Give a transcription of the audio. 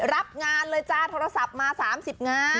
รับงานเลยจ้าโทรศัพท์มา๓๐งาน